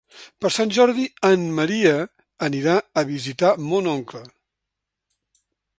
Per Sant Jordi en Maria anirà a visitar mon oncle.